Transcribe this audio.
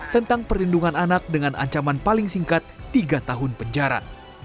tentang perlindungan anak dengan ancaman paling singkat tiga tahun penjara